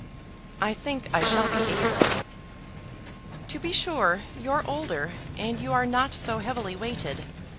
"I think I shall be able." "To be sure you're older, and you are not so heavily weighted.